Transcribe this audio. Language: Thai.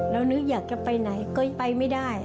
นึกอยากจะไปไหนก็ไปไม่ได้